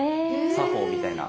作法みたいな。